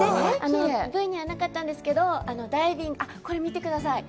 Ｖにはなかったんですけど、これ見てください。